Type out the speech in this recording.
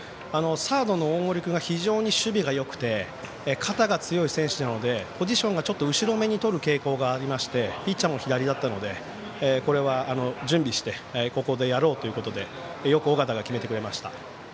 サードの大森君が非常に守備がよくて肩が強い選手なのでポジションが後ろめにとる傾向がありましてピッチャーも左だったのでこれは準備してここでやろうということでよく尾形が決めてくれました。